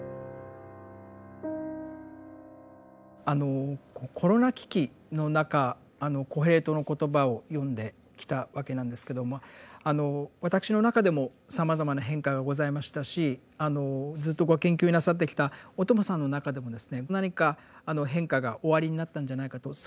あのコロナ危機の中「コヘレトの言葉」を読んできたわけなんですけども私の中でもさまざまな変化がございましたしずっとご研究なさってきた小友さんの中でも何か変化がおありになったんじゃないかと。